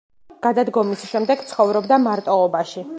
გადადგომის შემდეგ ცხოვრობდა მარტოობაში.